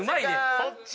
そっち。